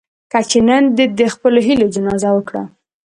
کچې نن دې د خپلو هيلو جنازه وکړه.